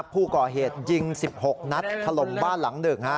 ผู้ก่อเหตุยิง๑๖นัดถล่มบ้านหลัง๑